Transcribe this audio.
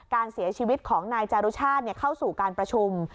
การเสียชีวิตของนายจารุชาติเข้าสู่การประชุม